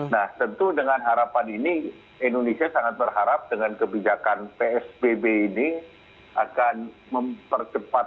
nah tentu dengan harapan ini indonesia sangat berharap dengan kebijakan psbb ini akan mempercepat